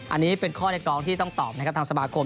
อันนี้เป็นข้อเรียกร้องที่ต้องตอบนะครับทางสมาคม